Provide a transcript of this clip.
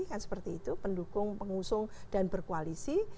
kan seperti itu pendukung pengusung dan berkoalisi